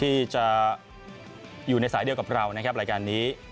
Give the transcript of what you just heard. ที่จะอยู่ในสายเดียวกับเรานะครับรายการนี้